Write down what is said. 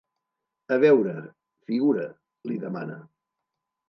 A veure, figura —li demana—.